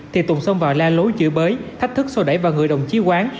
thì tùng xông vào la lối chửi bới thách thức sô đẩy vào người đồng chí quán